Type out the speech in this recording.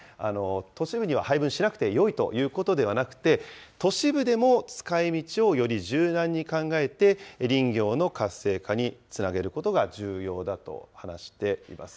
都市部には配分しなくてよいということではなくて、都市部でも使いみちをより柔軟に考えて、林業の活性化につなげることが重要だと話しています。